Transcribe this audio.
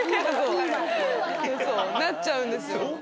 なっちゃうんですよ。